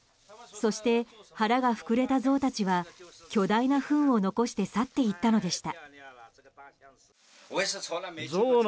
そして、腹が膨れたゾウたちは巨大なふんを残して去っていったのでした。